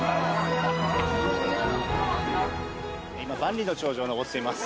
万里の長城に登っています。